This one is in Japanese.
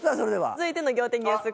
続いての仰天ニュース